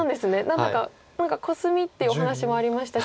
何だかコスミっていうお話もありましたし。